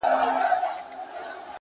ما په خريلي مخ الله ته سجده وکړه’